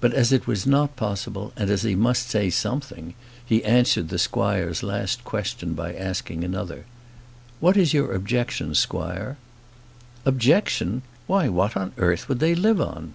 But as it was not possible, and as he must say something, he answered the squire's last question by asking another. "What is your objection, squire?" "Objection! Why, what on earth would they live on?"